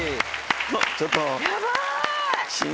ちょっと。